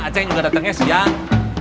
acing juga datangnya siang